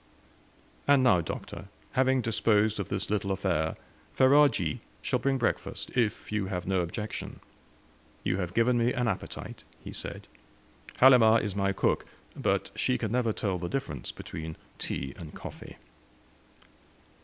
"And now, Doctor, having disposed of this little affair, Ferajji shall bring breakfast; if you have no objection." "You have given me an appetite," he said. "Halimah is my cook, but she never can tell the difference between tea and coffee."